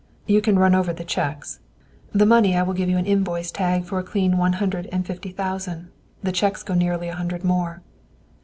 "You can run over the cheques. The money I will give you an invoice tag for a clean one hundred and fifty thousand. The cheques go nearly a hundred more.